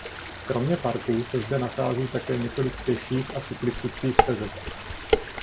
Kromě parků se zde nachází také několik pěších a cyklistických stezek.